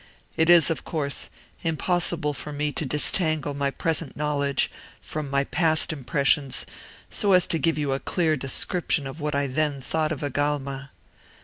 It is, of course, impossible for me to disentangle my present knowledge from my past impressions so as to give you a clear description of what I then thought of Agalma.